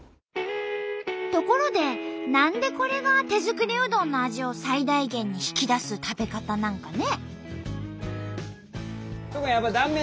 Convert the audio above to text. ところで何でこれが手作りうどんの味を最大限に引き出す食べ方なんかね？